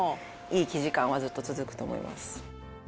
いい生地感はずっと続くと思います。